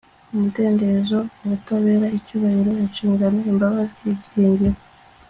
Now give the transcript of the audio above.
umudendezo, ubutabera, icyubahiro, inshingano, imbabazi, ibyiringiro